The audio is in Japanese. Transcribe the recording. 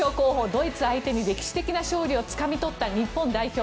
ドイツ相手に歴史的な勝利をつかみとった日本代表。